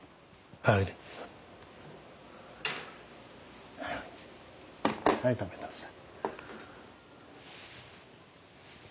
はい食べなさい。